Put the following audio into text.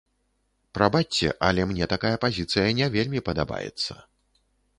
Прабачце, але мне такая пазіцыя не вельмі падабаецца.